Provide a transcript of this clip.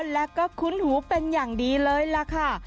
แล้วก็คุ้นหูเป็นอย่างดีเลยล่ะค่ะ